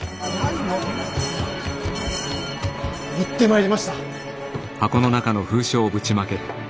持ってまいりました！